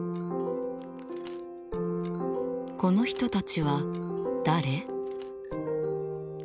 この人たちは誰？